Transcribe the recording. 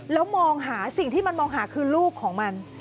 แล้วมองหาสิ่งที่มันมองหาคือลูกของมัน